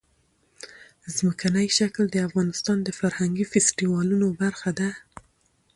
ځمکنی شکل د افغانستان د فرهنګي فستیوالونو برخه ده.